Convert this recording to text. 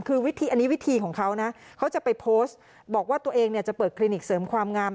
คือวิธีอันนี้วิธีของเขานะเขาจะไปโพสต์บอกว่าตัวเองเนี่ยจะเปิดคลินิกเสริมความงาม